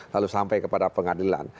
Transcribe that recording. lalu sampai kepada pengadilan